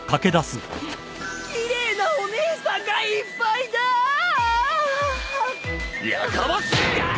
奇麗なお姉さんがいっぱいだぁ！やかましい！